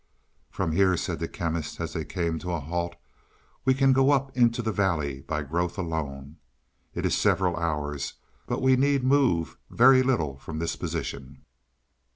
"From here," said the Chemist, as they came to a halt, "we can go up into the valley by growth alone. It is several hours, but we need move very little from this position."